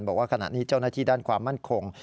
บอกว่าขณะนี้เจ้าหน้าที่ด้านความมั่นคง